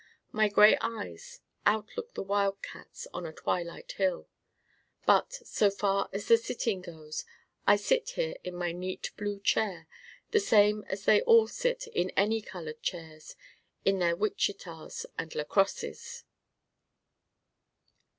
My gray eyes out look the wildcat's on a twilight hill. But so far as the Sitting goes I sit here in my Neat Blue Chair the same as they all sit in any colored chairs in their Wichitas and La Crosses.